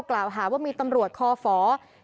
กล่าวหาว่ามีตำรวจคอฝ